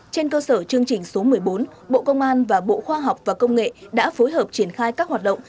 trên cơ sở chương trình số một mươi bốn bộ công an và bộ khoa học và công nghệ đã phối hợp triển khai các hoạt động